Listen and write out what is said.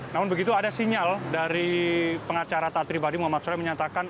namun begitu ada sinyal dari pengacara taat pribadi muhammad soleh menyatakan